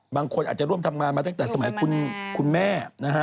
บางคนอาจจะร่วมทำงานมาตั้งแต่สมัยคุณแม่นะฮะ